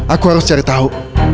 aku harus cari tahu